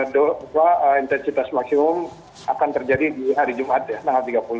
intensitas maksimum akan terjadi di hari jumat ya tanggal tiga puluh